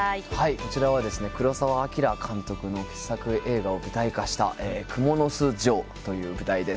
こちらは黒澤明監督の映画を舞台化した「蜘蛛巣城」という舞台です。